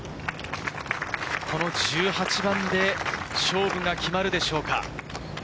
１８番で勝負が決まるでしょうか？